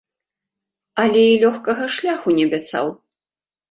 Але і лёгкага шляху не абяцаў.